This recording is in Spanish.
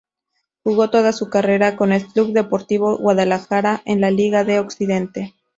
Jugó toda su carrera con el Club Deportivo Guadalajara en la Liga de Occidente.